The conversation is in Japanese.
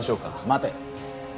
待て。